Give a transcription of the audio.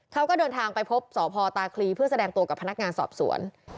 เขาก็เดินทางไปพบสพตาคลีเพื่อแสดงตัวกับพนักงานสอบสวน